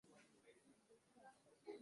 翌年陈添保被封为都督。